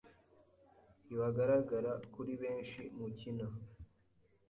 Ntibagaragara kuri benshi mukina